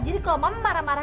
jadi kalau mama marah marah